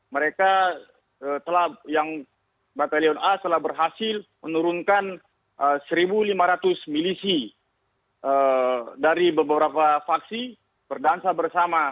mereka telah yang batalion a telah berhasil menurunkan satu lima ratus milisi dari beberapa faksi berdansa bersama